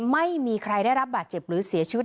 ไม่มีใครได้รับบาดเจ็บหรือเสียชีวิต